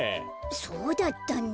そうだったんだ。